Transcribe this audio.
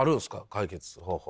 解決方法。